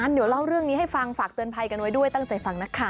เดี๋ยวเล่าเรื่องนี้ให้ฟังฝากเตือนภัยกันไว้ด้วยตั้งใจฟังนะคะ